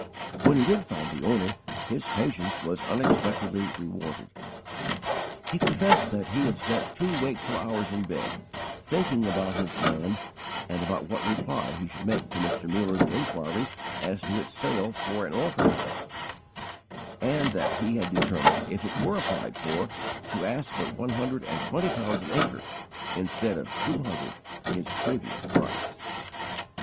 When he did find the owner, his patience was unexpectedly rewarded. He confessed that he had spent two wakeful hours in bed, thinking about his land, and about what reply he should make to Mr. Muller's inquiry as to its sale for an orphan house; and that he had determined, if it were applied for, to ask but one hundred and twenty pounds an acre, instead of two hundred, his previous price.